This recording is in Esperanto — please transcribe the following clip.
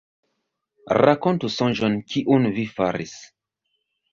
Rakontu sonĝon, kiun vi faris.